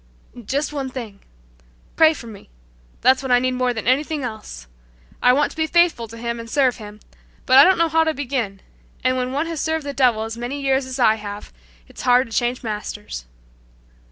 "Just one thing. Pray for me! That's what I need more than anything else. I want to be faithful to Him and serve Him, but I don't know how to begin, and when one has served the devil as many years as I have it's hard to change masters."